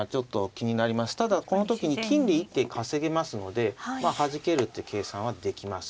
ただこの時に金で一手稼げますのではじけるっていう計算はできます。